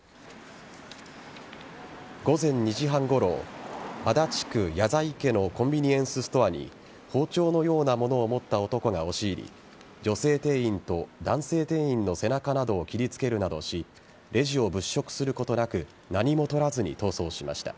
午前２時半ごろ足立区谷在家のコンビニエンスストアに包丁のようなものを持った男が押し入り女性店員と男性店員の背中などを切りつけるなどしレジを物色することなく何も取らずに逃走しました。